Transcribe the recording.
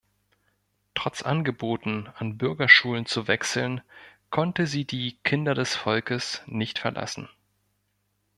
Trotz Angeboten, an Bürgerschulen zu wechseln, konnte sie die „Kinder des Volkes nicht verlassen“.